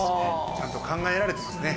ちゃんと考えられてますね。